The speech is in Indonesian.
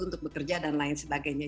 untuk bekerja dan lain sebagainya